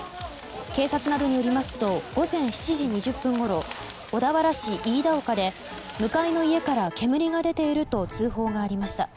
警察などによりますと午前７時２０分ごろ小田原市飯田岡で向かいの家から煙が出ていると通報がありました。